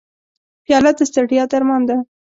پیاله د ستړیا درمان ده.